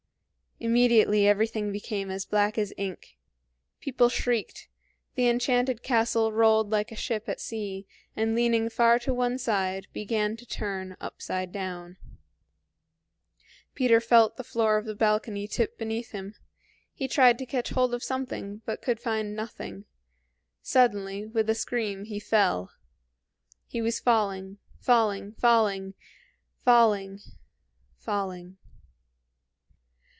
Immediately everything became as black as ink, people shrieked, the enchanted castle rolled like a ship at sea, and leaning far to one side, began to turn upside down. Peter felt the floor of the balcony tip beneath him; he tried to catch hold of something, but could find nothing; suddenly, with a scream, he fell. He was falling, falling, falling, falling, falling.